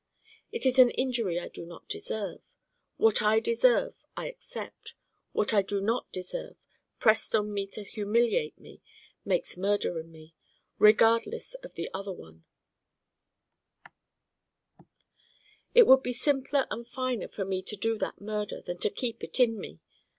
It is an injury I do not deserve. What I deserve I accept. What I do not deserve pressed on me to humiliate me makes Murder in me. Regardless of the other one it would be simpler and finer for me to do that Murder than to keep it in me.